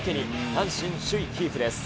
阪神首位キープです。